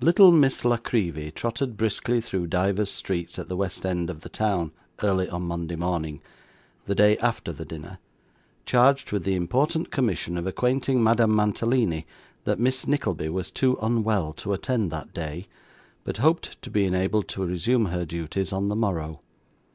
Little Miss La Creevy trotted briskly through divers streets at the west end of the town, early on Monday morning the day after the dinner charged with the important commission of acquainting Madame Mantalini that Miss Nickleby was too unwell to attend that day, but hoped to be enabled to resume her duties on the morrow.